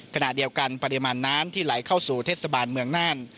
ขณะเดียวกันปริมาณน้ำที่ไหลเข้าสู่เทศบาลเมืองน่าน